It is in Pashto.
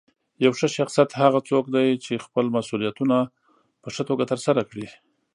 یو ښه شخصیت هغه څوک دی چې خپل مسؤلیتونه په ښه توګه ترسره کوي.